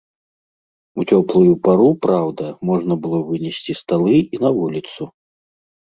У цёплую пару, праўда, можна было вынесці сталы і на вуліцу.